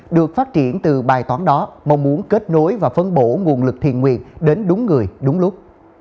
được phát triển từ bài toán đó mong muốn kết nối và phân bổ nguồn lực thiền nguyện đến đúng người đúng lúc